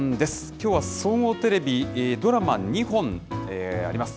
きょうは総合テレビ、ドラマ２本あります。